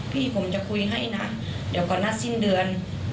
พี่ผมจะคุยให้นะเดี๋ยวก่อนนัดสิ้นเดือน